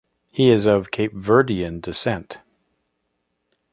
He is of Cape Verdean descent.